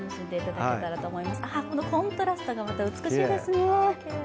コントラストがまた美しいですね。